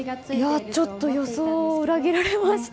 ちょっと予想を裏切られました。